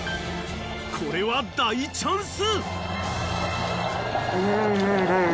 ［これは大チャンス］